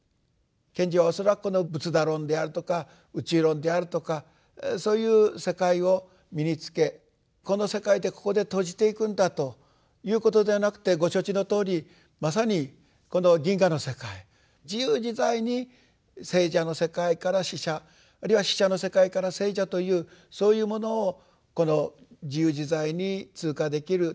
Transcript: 賢治は恐らくこの仏陀論であるとか宇宙論であるとかそういう世界を身につけこの世界でここで閉じていくんだということではなくてご承知のとおりまさにこの銀河の世界自由自在に生者の世界から死者あるいは死者の世界から生者というそういうものをこの自由自在に通過できる旅をする。